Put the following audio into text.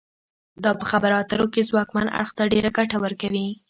دا په خبرو اترو کې ځواکمن اړخ ته ډیره ګټه ورکوي